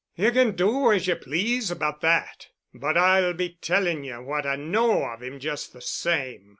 "Ye can do as ye please about that, but I'll be telling ye what I know of him just the same.